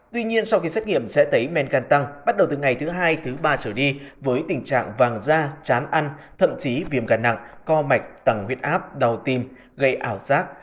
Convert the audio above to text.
tuy nhiên sau khi xét nghiệm sẽ thấy men gan tăng bắt đầu từ ngày thứ hai thứ ba trở đi với tình trạng vàng da chán ăn thậm chí viêm gan nặng co mạch tăng huyết áp đau tim gây ảo giác